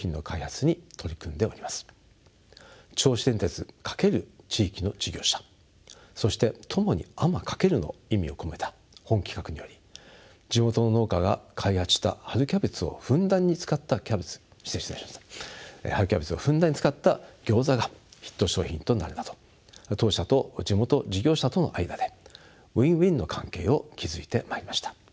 銚子電鉄×地域の事業者そして共に天翔けるの意味を込めた本企画により地元の農家が開発した春キャベツをふんだんに使ったギョーザがヒット商品となるなど当社と地元事業者との間でｗｉｎーｗｉｎの関係を築いてまいりました。